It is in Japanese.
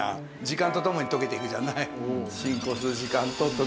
時間とともに溶けていくじゃない。